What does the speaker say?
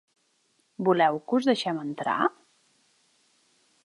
Voleu que us deixem entrar?